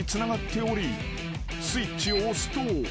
［スイッチを押すと］